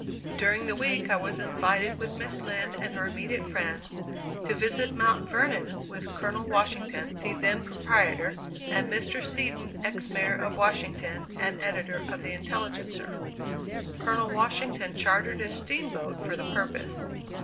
During the week I was invited with Miss Lind and her immediate friends, to visit Mount Vernon, with Colonel Washington, the then proprietor, and Mr. Seaton, ex Mayor of Washington, and Editor of the Intelligencer. Colonel Washington chartered a steamboat for the purpose.